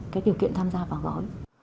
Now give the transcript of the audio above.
các điều kiện tham gia vào gói